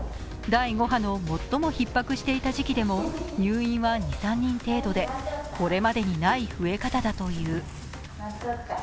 第５波の最もひっ迫した時期でも入院は２３人程度でこれまでにない増え方だという。